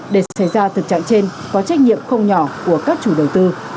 để xảy ra thực trạng trên có trách nhiệm không nhỏ của các chủ đầu tư